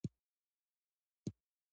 ځوانان د ټولنې د هوساینې لپاره کار کوي.